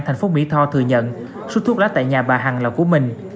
thành phố mỹ tho thừa nhận số thuốc lá tại nhà bà hằng là của mình